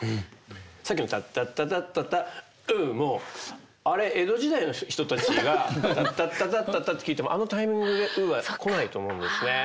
さっきの「タッタッタタッタタウ」もあれ江戸時代の人たちが「タッタッタタッタタ」って聞いてもあのタイミングで「ウ」は来ないと思うんですね。